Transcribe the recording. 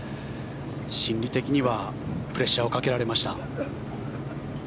心理的にはプレッシャーをかけられました。